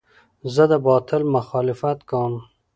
زه د باطل مخالفت کوم.